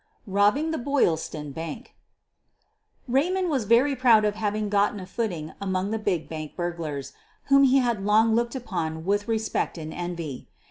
42 SOPHIE LYONS BOBBING THE BOYLSTON BANK Raymond was very proud of having gotten a foot ing among the big bank burglars, whom he had long looked upon with respect and envy.